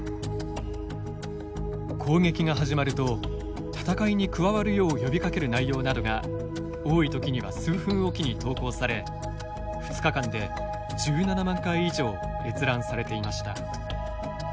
攻撃が始まると戦いに加わるよう呼びかける内容などが多い時には数分おきに投稿され２日間で１７万回以上閲覧されていました。